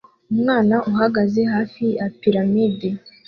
Umwana uhagaze hafi ya piramide